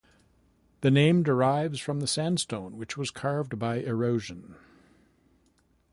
The name derives from the sandstone which was carved by erosion.